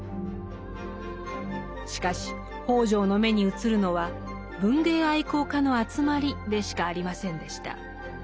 しかし北條の眼に映るのは「文芸愛好家の集まり」でしかありませんでした。